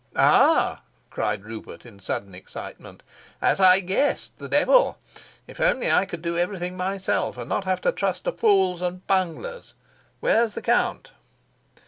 "Ah!" cried Rupert in sudden excitement. "As I guessed! The devil! If only I could do everything myself, and not have to trust to fools and bunglers! Where's the count?"